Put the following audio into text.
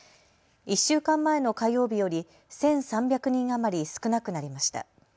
１週間前の火曜日より１３００人余り少なくなりました。